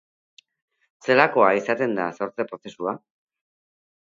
Zelako izaten da sortze prozesua?